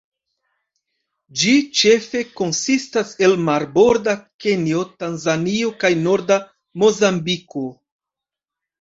Ĝi ĉefe konsistas el marborda Kenjo, Tanzanio kaj norda Mozambiko.